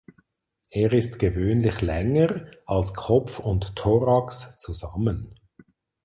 Er ist gewöhnlich länger als Kopf und Thorax zusammen.